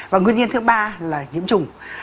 và nguyên nhân thứ ba là nhiễm trùng